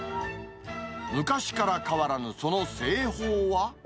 昔から変わらぬその製法は。